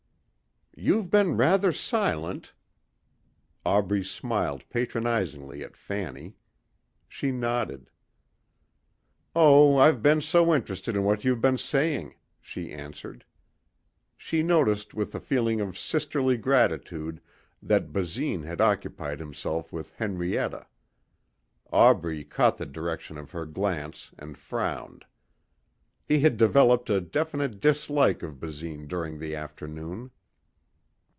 "You've been rather silent." Aubrey smiled patronizingly at Fanny. She nodded. "Oh, I've been so interested in what you've been saying," she answered. She noticed with a feeling of sisterly gratitude that Basine had occupied himself with Henrietta. Aubrey caught the direction of her glance and frowned. He had developed a definite dislike of Basine during the afternoon.